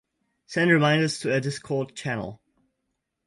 send reminders to a discord channel